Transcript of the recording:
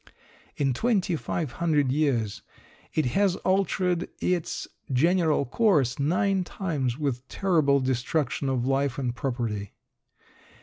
In 2500 years it has altered its general course nine times with terrible destruction of life and property.